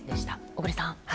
小栗さん。